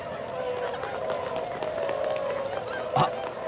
あっ！